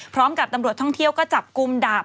พร้อมกับตำรวจท่องเที่ยวก็จับกุมดาบ